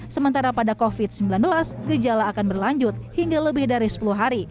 sementara pada covid sembilan belas gejala akan berlanjut hingga lebih dari sepuluh hari